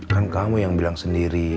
kan kamu yang bilang sendiri